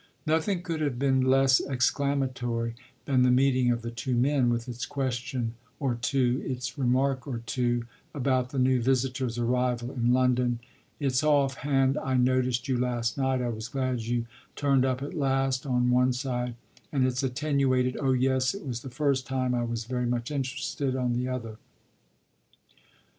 Nothing could have been less exclamatory than the meeting of the two men, with its question or two, its remark or two, about the new visitor's arrival in London; its off hand "I noticed you last night, I was glad you turned up at last" on one side and its attenuated "Oh yes, it was the first time; I was very much interested" on the other.